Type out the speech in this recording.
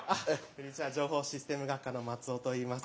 情報システム学科の松尾といいます。